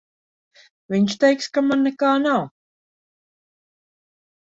Viņš teiks, ka man nekā nav.